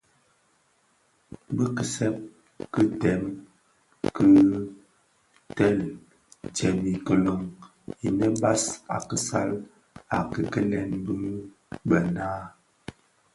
Bi kisèp ki dèm ki teel dyèm ikilön innë bas a kisal a kikilen bi bë naa.